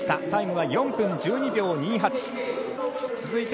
タイムは４１秒２８。